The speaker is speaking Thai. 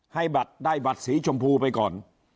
ให้บัตรได้บัตรสีชมพูไปก่อน